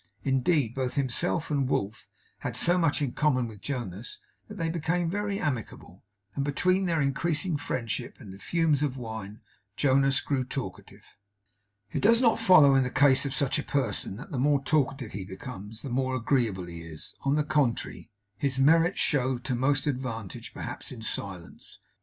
Indeed, both himself and Wolf had so much in common with Jonas, that they became very amicable; and between their increasing friendship and the fumes of wine, Jonas grew talkative. It does not follow in the case of such a person that the more talkative he becomes, the more agreeable he is; on the contrary, his merits show to most advantage, perhaps, in silence.